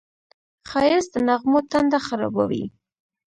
ښایست د نغمو تنده خړوبوي